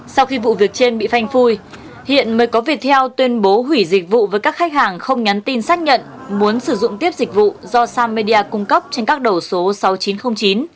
sau khi vụ việc trên bị phanh phui hiện mới có viettel tuyên bố hủy dịch vụ với các khách hàng không nhắn tin xác nhận muốn sử dụng tiếp dịch vụ do samedia cung cấp trên các đầu số sáu nghìn chín trăm linh chín